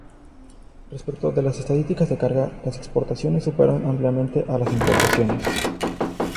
Respecto de las estadísticas de carga, las exportaciones superan ampliamente a las importaciones.